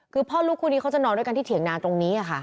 คือพ่อลูกคู่นี้เขาจะนอนด้วยกันที่เถียงนาตรงนี้ค่ะ